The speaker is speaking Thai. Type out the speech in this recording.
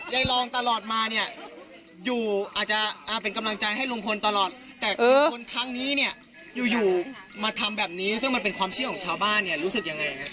ยายรองตลอดมาเนี่ยอยู่อาจจะเป็นกำลังใจให้ลุงพลตลอดแต่คนครั้งนี้เนี่ยอยู่มาทำแบบนี้ซึ่งมันเป็นความเชื่อของชาวบ้านเนี่ยรู้สึกยังไงครับ